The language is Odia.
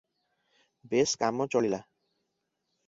ବେଶ କାମ ଚଳିଲା ।